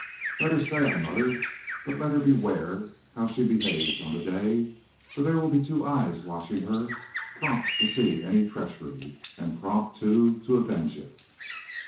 "'Let her stay,' I muttered; 'but let her beware how she behaves on that day, for there will be two eyes watching her, prompt to see any treachery, and prompt, too, to avenge it.'